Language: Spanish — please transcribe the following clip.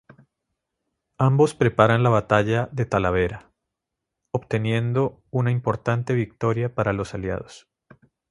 Ambos preparan la batalla de Talavera, obteniendo una importante victoria para los aliados.